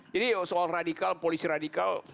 jadi soal radikal polisi radikal